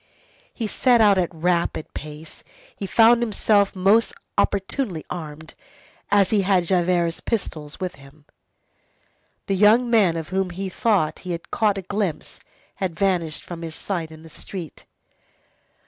He set out at rapid pace. He found himself most opportunely armed, as he had Javert's pistols with him. The young man of whom he thought that he had caught a glimpse, had vanished from his sight in the street.